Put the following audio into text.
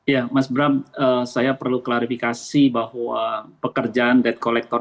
ya mas bram saya perlu klarifikasi bahwa pekerjaan debt collector